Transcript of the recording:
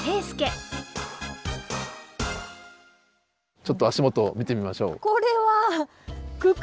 ちょっと足元を見てみましょう。